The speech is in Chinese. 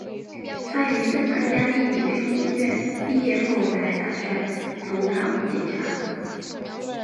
她于圣玛加利女书院毕业后本来打算投考警察。